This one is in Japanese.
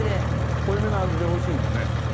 濃いめの味で美味しいもんね。